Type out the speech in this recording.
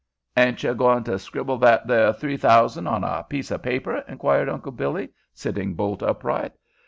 "Air you a goin' t' scribble that there three thou san' on a piece o' paper?" inquired Uncle Billy, sitting bolt upright.